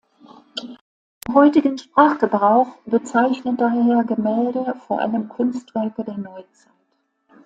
Im heutigen Sprachgebrauch bezeichnet daher Gemälde vor allem Kunstwerke der Neuzeit.